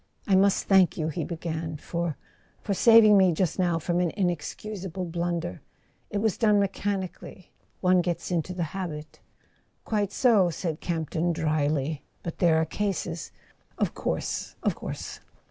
"I must thank you," he began, "for—for saving me just now from an inexcusable blunder. It was done mechanically ... one gets into the habit. .." "Quite so," said Campton drily. "But there are cases " "Of course—of course."